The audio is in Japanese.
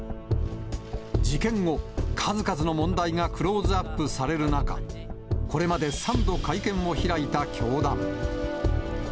事件後、数々の問題がクローズアップされる中、これまで３度会見を開いた教団。